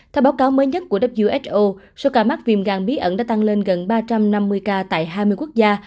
theo báo cáo mới nhất của who số ca mắc viêm gan bí ẩn đã tăng lên gần ba trăm năm mươi ca tại hai mươi quốc gia